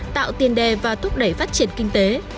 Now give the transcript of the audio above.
tạo tiền đề và thúc đẩy phát triển kinh tế